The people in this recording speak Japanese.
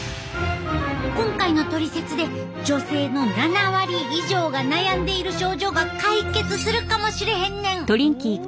今回のトリセツで女性の７割以上が悩んでいる症状が解決するかもしれへんねん！